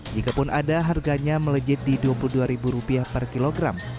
jikapun ada harganya melejit di rp dua puluh dua per kilogram